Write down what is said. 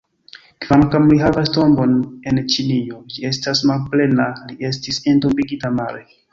Kvankam li havas tombon en Ĉinio, ĝi estas malplena: li estis entombigita mare.